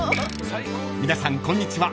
［皆さんこんにちは